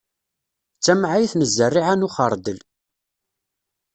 D tamɛayt n zerriɛa n uxeṛdel.